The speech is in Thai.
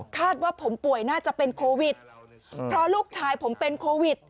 ว่าผมป่วยน่าจะเป็นโควิดเพราะลูกชายผมเป็นโควิด